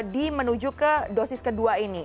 di menuju ke dosis kedua ini